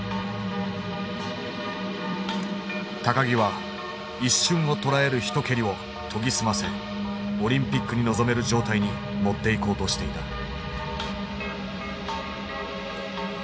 木は一瞬をとらえる一蹴りを研ぎ澄ませオリンピックに臨める状態に持っていこうとしていた。